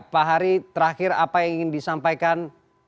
pak hari terakhir apa yang ingin disampaikan